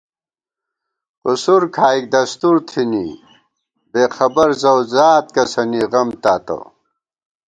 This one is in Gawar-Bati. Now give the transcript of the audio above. قُسُر کھائیک دستُور تھنی بېخبر زَؤزاد کسَنی غم تاتہ